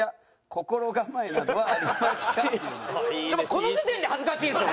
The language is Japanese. この時点で恥ずかしいですよ